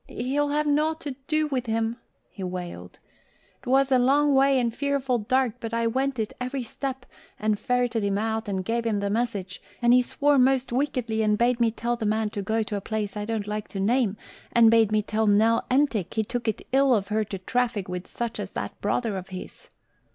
"He'll have nought to do with him," he wailed. "'Twas a long way and fearful dark but I went it, every step, and ferreted him out and gave him the message; and he swore most wickedly and bade me tell the man go to a place I don't like to name, and bade me tell Nell Entick he took it ill of her to traffic with such as that brother of his."